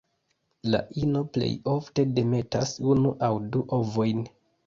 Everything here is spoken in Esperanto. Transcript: La ino plej ofte demetas unu aŭ du ovojn.